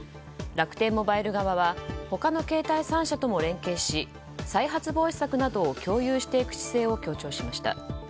楽天モバイル側は他の携帯３社とも連携し再発防止策などを共有していく姿勢を強調しました。